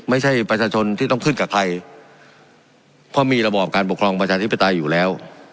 ไม่ใช่ประชาชนที่ต้องขึ้นกับใครเพราะมีระบอบการปกครองประชาธิปไตยอยู่แล้ว